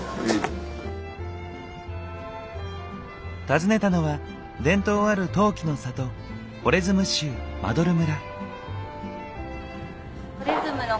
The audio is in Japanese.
訪ねたのは伝統ある陶器の里ホレズム州マドル村。